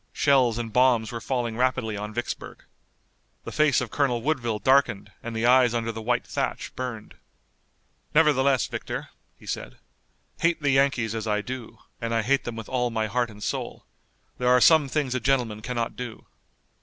Shells and bombs were falling rapidly on Vicksburg. The face of Colonel Woodville darkened and the eyes under the white thatch burned. "Nevertheless, Victor," he said, "hate the Yankees as I do, and I hate them with all my heart and soul, there are some things a gentleman cannot do."